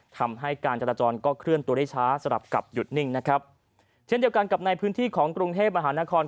ทำให้การจราจรก็เคลื่อนตัวได้ช้าสลับกับหยุดนิ่งนะครับเช่นเดียวกันกับในพื้นที่ของกรุงเทพมหานคร